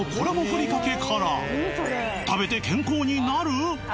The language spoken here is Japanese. ふりかけから食べて健康になる！？